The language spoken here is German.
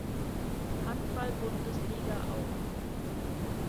Handball-Bundesliga auf.